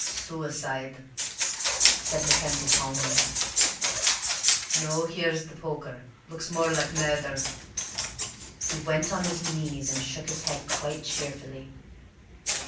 "Suicide," said Mackenzie calmly. "No here's the poker looks more like murder." He went on his knees and shook his head quite cheerfully.